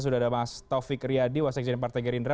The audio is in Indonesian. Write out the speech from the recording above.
sudah ada mas taufik riyadi wasik jendepartai gerindra